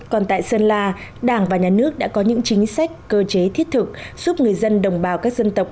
còn tại sơn la đảng và nhà nước đã có những chính sách cơ chế thiết thực giúp người dân đồng bào các dân tộc